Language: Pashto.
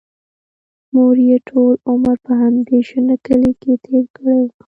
مور یې ټول عمر په همدې شنه کلي کې تېر کړی و